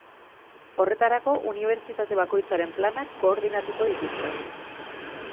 Horretarako, unibertsitate bakoitzaren planak koordinatuko dituzte.